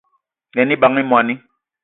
Yen ebag í moní